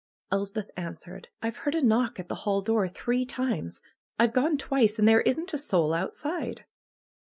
Elspeth answered: ^H've lieard a knock at the hall door three times. I've gone twice, and there isn't a soul outside."